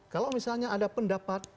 kalau misalnya ada pendapat